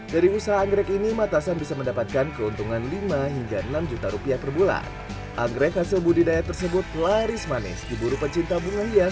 jangan lupa untuk menikmati video selanjutnya